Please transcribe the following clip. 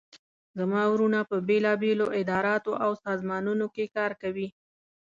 زما وروڼه په بیلابیلو اداراو او سازمانونو کې کار کوي